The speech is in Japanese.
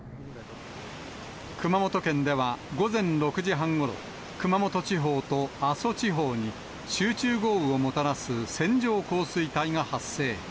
熊本県では、午前６時半ごろ、熊本地方と阿蘇地方に集中豪雨をもたらす線状降水帯が発生。